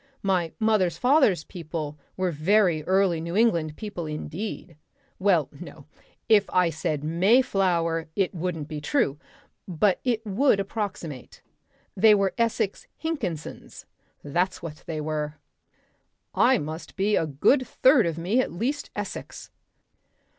My mother's father's people were very early New England people indeed.... Well, no. If I said Mayflower it wouldn't be true. But it would approximate. They were Essex Hinkinsons. That's what they were. I must be a good third of me at least Essex.